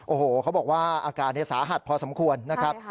โอ้โหเขาบอกว่าอาการสาหัสพอสมควรนะครับ